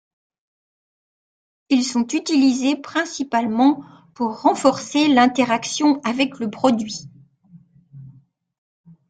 Ils sont utilisés principalement pour renforcer l'interaction avec le produit.